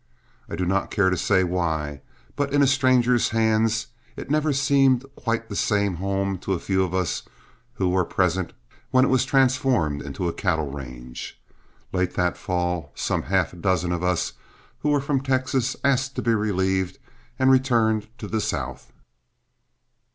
I do not care to say why, but in a stranger's hands it never seemed quite the same home to a few of us who were present when it was transformed into a cattle range. Late that fall, some half dozen of us who were from Texas asked to be relieved and returned to the South.